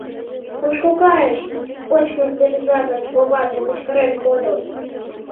— Кушко кайыш? — почмо тӧрза гыч коваже кычкырен кодо.